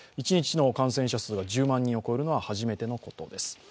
１日の感染者数が１０万人を超えるのは初めてということです。